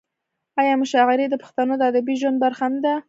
آیا مشاعرې د پښتنو د ادبي ژوند برخه نه ده؟